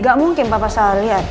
gak mungkin papa salah liat